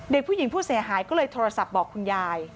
เด็กผู้หญิงผู้เสียหายก็เลยโทรศัพท์บอกคุณยาย